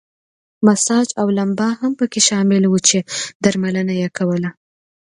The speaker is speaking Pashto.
مساج او لمبا هم پکې شامل وو چې درملنه یې کوله.